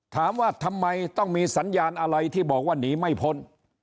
ถามว่าทำไมต้องมีสัญญาณอะไรที่บอกว่าหนีไม่พ้น